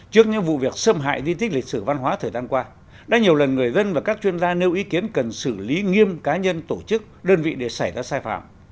trước những vụ việc xâm hại di tích lịch sử văn hóa thời gian qua đã nhiều lần người dân và các chuyên gia nêu ý kiến cần xử lý nghiêm cá nhân tổ chức đơn vị để xảy ra sai phạm